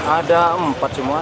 ada empat semua